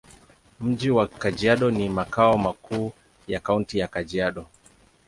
Mji wa Kajiado ni makao makuu ya Kaunti ya Kajiado.